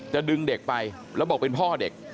จะดึงเด็กไปแล้วบอกเป็นพ่อเด็ก